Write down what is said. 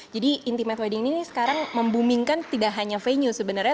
jadi intimate wedding ini sekarang memboomingkan tidak hanya venue sebenarnya